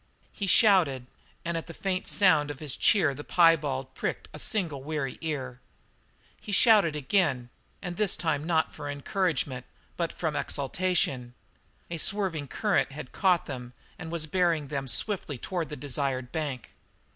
He shouted, and at the faint sound of his cheer the piebald pricked a single weary ear. He shouted again, and this time not for encouragement, but from exultation; a swerving current had caught them and was bearing them swiftly toward the desired bank.